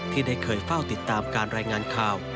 ที่ได้เคยเฝ้าติดตามการรายงานข่าว